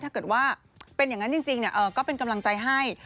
ถ้าเกิดว่าเป็นอย่างนั้นจริงก็เป็นกำลังใจให้